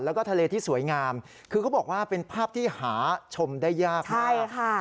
แล้วก็ทะเลที่สวยงามคือเขาบอกว่าเป็นภาพที่หาชมได้ยากมากใช่ค่ะ